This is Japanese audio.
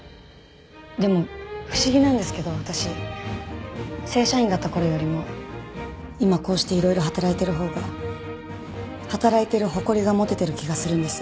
でも不思議なんですけど私正社員だった頃よりも今こうしていろいろ働いてるほうが働いてる誇りが持ててる気がするんです。